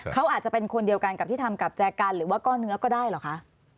เขาอาจจะเป็นคนเดียวกันกับที่ทำกับแจกันหรือว่าก้อนเนื้อก็ได้เหรอคะ